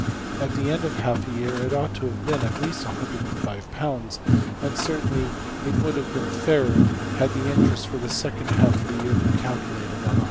At the end of half a year it ought to have been at least~£$105$, and it certainly would have been fairer had the interest for the second half of the year been calculated on~£$105$.